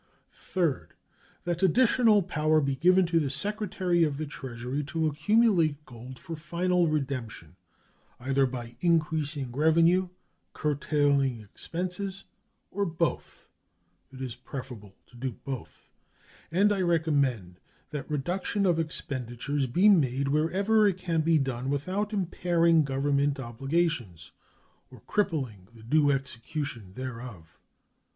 Third. That additional power be given to the Secretary of the Treasury to accumulate gold for final redemption, either by increasing revenue, curtailing expenses, or both (it is preferable to do both); and I recommend that reduction of expenditures be made wherever it can be done without impairing Government obligations or crippling the due execution thereof.